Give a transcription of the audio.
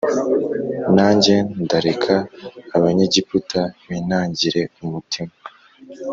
Nanjye ndareka Abanyegiputa binangire umutima